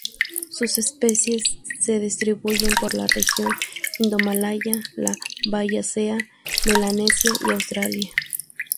Sus especies se distribuyen por la región indomalaya, la Wallacea, Melanesia y Australia.